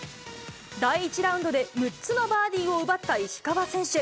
第１ラウンドで６つのバーディーを奪った石川選手。